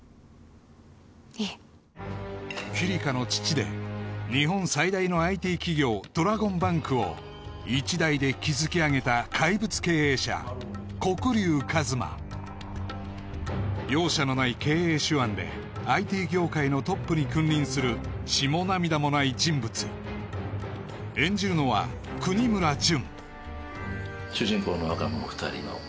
いえキリカの父で日本最大のＩＴ企業ドラゴンバンクを一代で築き上げた怪物経営者黒龍一真容赦のない経営手腕でＩＴ業界のトップに君臨する血も涙もない人物演じるのは國村隼